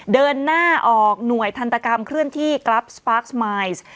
เดินหน้าออกหน่วยทันตกรรมเคลื่อนที่กรับสปาร์คสมายส์